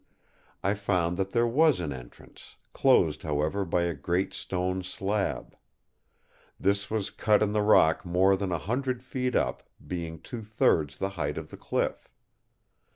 I found that there was an entrance, closed however by a great stone slab. This was cut in the rock more than a hundred feet up, being two thirds the height of the cliff.